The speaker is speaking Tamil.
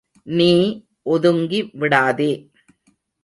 நீ ஒதுங்கி விடாதே!